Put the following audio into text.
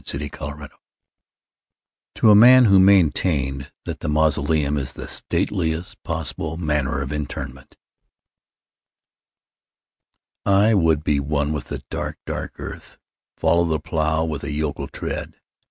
The Traveller heart (To a Man who maintained that the Mausoleum is the Stateliest Possible Manner of Interment) I would be one with the dark, dark earth:— Follow the plough with a yokel tread.